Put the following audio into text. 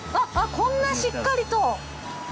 こんなしっかりと。